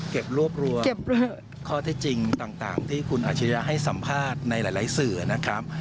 รวบรวมข้อเท็จจริงต่างที่คุณอาชิริยะให้สัมภาษณ์ในหลายสื่อนะครับ